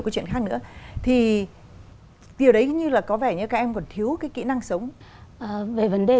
câu chuyện khác nữa thì điều đấy như là có vẻ như các em còn thiếu cái kỹ năng sống về vấn đề